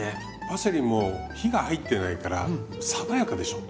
パセリも火が入ってないから爽やかでしょ？